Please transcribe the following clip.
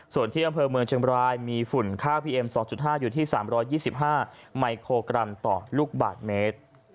ส่วนที่ห้ามเมืองเชียงบรายมีฝุ่นค่าพีเอ็มสองจุดห้าอยู่ที่สามร้อยยี่สิบห้าไมโครกรัมต่อลูกบาทเมตร